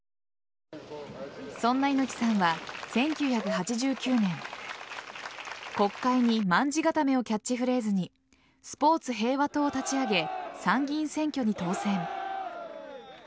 そんな猪木さんは、１９８９年国会に卍固めをキャッチフレーズにスポーツ平和党を立ち上げ参議院選挙に当選。